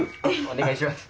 お願いします。